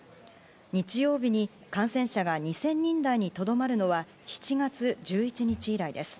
日曜日に感染者が２０００人台にとどまるのは７月１１日以来です。